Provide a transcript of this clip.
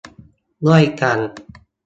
ด้วยกัน